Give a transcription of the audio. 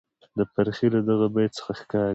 د فرخي له دغه بیت څخه ښکاري،